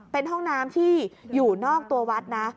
เป็นห้องน้ำที่อยู่นอกตัววัดนะ